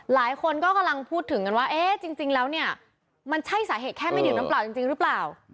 หลายคนก็กำลังพูดถึงกันว่าเอ๊ะจริงแล้วเนี่ยมันใช่สาเหตุแค่ไม่ดื่มน้ำเปล่าจริงหรือเปล่า